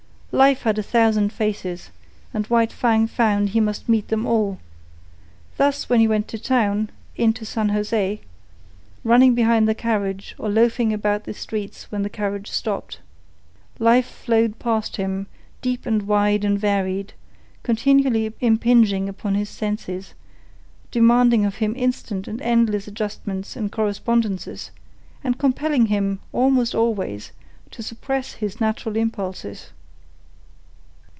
Life had a thousand faces, and White Fang found he must meet them all—thus, when he went to town, in to San Jose, running behind the carriage or loafing about the streets when the carriage stopped. Life flowed past him, deep and wide and varied, continually impinging upon his senses, demanding of him instant and endless adjustments and correspondences, and compelling him, almost always, to suppress his natural impulses.